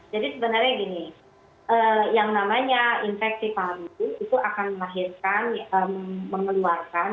jadi sebenarnya gini yang namanya infeksi paru itu akan mengeluarkan